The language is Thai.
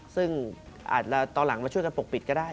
ซึ่งอาจจะตอนหลังมาช่วยกันปกปิดก็ได้